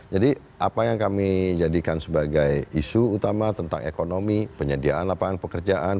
jadi apa yang kami jadikan sebagai isu utama tentang ekonomi penyediaan lapangan pekerjaan